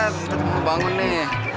tentang bangun nih